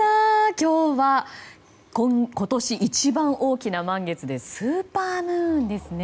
今日は、今年一番大きな満月でスーパームーンですね。